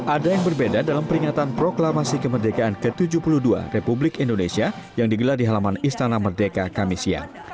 ada yang berbeda dalam peringatan proklamasi kemerdekaan ke tujuh puluh dua republik indonesia yang digelar di halaman istana merdeka kamisian